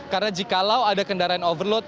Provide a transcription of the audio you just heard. karena jika ada kendaraan overload